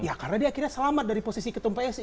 ya karena dia akhirnya selamat dari posisi ketum psi